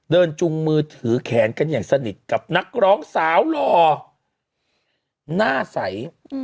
จุงมือถือแขนกันอย่างสนิทกับนักร้องสาวหล่อหน้าใส